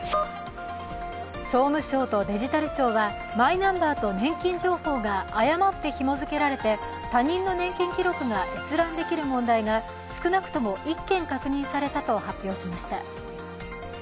総務省とデジタル庁はマイナンバーと年金情報が誤ってひも付けられて他人の年金記録が閲覧できる問題が少なくとも１件確認されたと発表しました。